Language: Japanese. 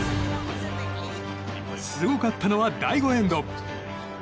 すごかったのは第５エンド。